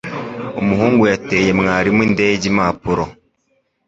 Umuhungu yateye mwarimu indege impapuro.